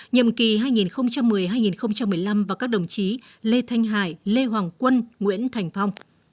nhiệm kỳ hai nghìn một mươi hai nghìn một mươi năm và các đồng chí lê thanh hải lê hoàng quân nguyễn thành phong